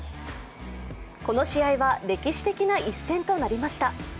この試合は歴史的な一戦となりました。